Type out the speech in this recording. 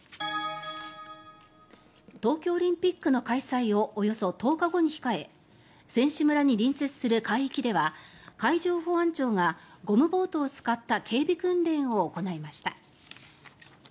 東京オリンピックの開催をおよそ１０日後に控え選手村に隣接する海域では海上保安庁がゴムボートを使った警備訓練を行いました。